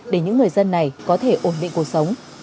để những người dân này có thể ổn định cuộc sống